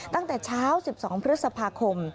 ตั้งแต่เช้า๑๒พฤษภาคม